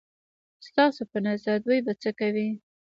ستاسو په نظر دوی به څه کوي؟